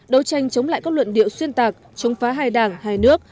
đấu tranh chống lại các luận điệu xuyên tạc chống phá hai đảng hai nước